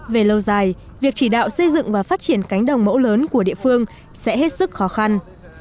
về lâu dài việc chỉ đạo xây dựng và phát triển cánh đồng mẫu lớn của địa phương sẽ hết sức khó khăn